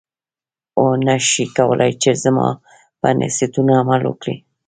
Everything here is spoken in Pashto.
او نه شې کولای چې زما په نصیحتونو عمل وکړې.